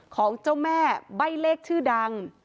ของเจ้าแม่ใบ้เลขชื่อดัง